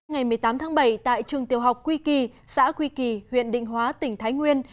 ngày một mươi tám tháng bảy tại trường tiểu học quy kỳ xã quy kỳ huyện định hóa tỉnh thái nguyên